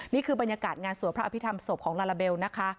นี่คือบรรยากาศงานสวดพระอภิษฐรรมศพของลาลาเบลนะคะ